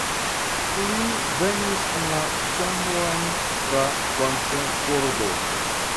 Li venis en la ĉambron tra flanka pordo.